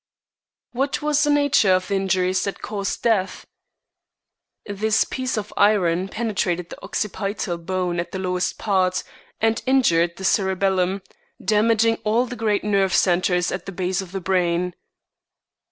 "What was the nature of the injuries that caused death?" "This piece of iron penetrated the occipital bone at the lowest part, and injured the cerebellum, damaging all the great nerve centres at the base of the brain."